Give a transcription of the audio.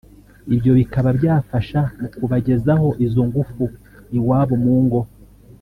ibyo bikaba byafasha mu kubagezaho izo ngufu iwabo mu ngo